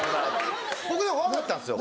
僕でも分かったんですよ。